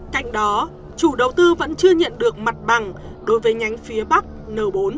cạnh đó chủ đầu tư vẫn chưa nhận được mặt bằng đối với nhánh phía bắc n bốn